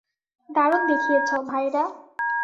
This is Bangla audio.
দারুণ দেখিয়েছো, ভাইয়েরা।